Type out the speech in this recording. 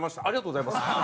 ありがとうございます。